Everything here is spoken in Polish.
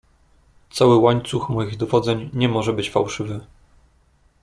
"Cały łańcuch moich dowodzeń nie może być fałszywy."